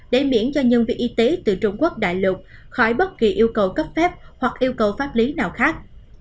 để miễn cho nhân viên y tế từ trung quốc đại lục khỏi bất kỳ yêu cầu cấp phép hoặc yêu cầu pháp lý nào khác